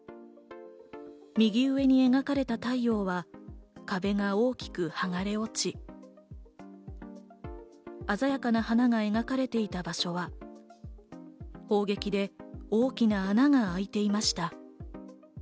右上に描かれた太陽は壁が大きくはがれ落ち、鮮やかな花が描かれていた場所は、砲撃で大きな穴が開いていました。